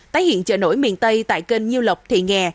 tái hiện chợ nổi miền tây tại kênh nhiêu lộc thị nghè